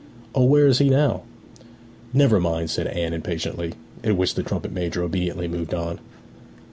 'O! where is he now?' 'Never mind,' said Anne impatiently, at which the trumpet major obediently moved on.